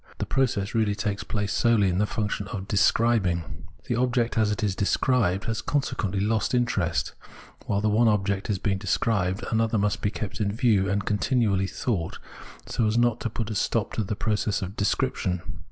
The process really takes place solely in the function of describing. The object, as it is described, has consequently lost interest— while the one object is being described another must be kept in view and continually sought, so as not to put a stop to the process of description.